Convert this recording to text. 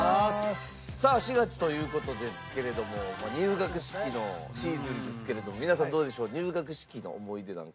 さあ４月という事ですけれども入学式のシーズンですけれども皆さんどうでしょう？